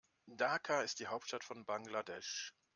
Dhaka ist die Hauptstadt von Bangladesch.